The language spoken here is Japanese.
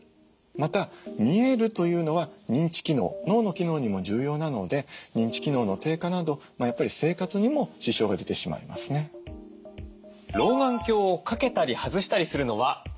また見えるというのは認知機能脳の機能にも重要なので認知機能の低下などやっぱり生活にも支障が出てしまいますね。×です。